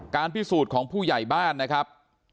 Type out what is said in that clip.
พิสูจน์ของผู้ใหญ่บ้านนะครับ